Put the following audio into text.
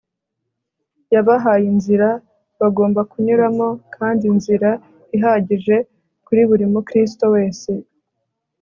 yabahaye inzira bagomba kunyuramo, kandi ni inzira ihagije kuri buri mukristo wese